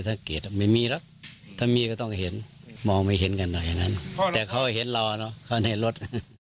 ถ้ามีก็ต้องเห็นมองไม่เห็นกันหน่อยแต่เขาเห็นรอเนาะเข้าในรถ